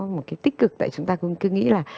một cái tích cực tại chúng ta cũng cứ nghĩ là